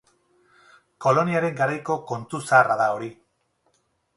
Koloniaren garaiko kontu zaharra da hori.